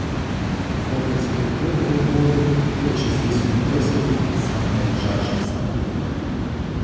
Хлопець крутнув головою, очі злісно блиснули, сам наїжачився.